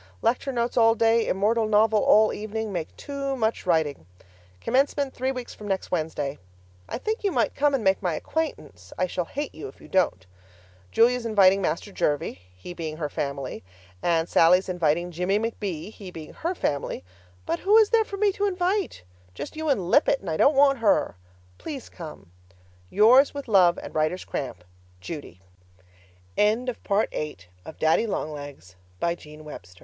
Lecture notes all day, immortal novel all evening, make too much writing. Commencement three weeks from next Wednesday. I think you might come and make my acquaintance I shall hate you if you don't! Julia's inviting Master Jervie, he being her family, and Sallie's inviting Jimmie McB., he being her family, but who is there for me to invite? Just you and Lippett, and I don't want her. Please come. Yours, with love and writer's cramp. Judy LOCK WILLOW, 19th June Dear Daddy Long Legs, I'm educated!